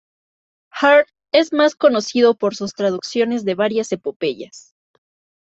Hart es más conocido por sus traducciones de varias epopeyas.